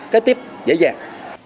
kế tiếp dễ dàng